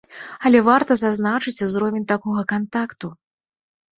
Але варта зазначыць узровень такога кантакту.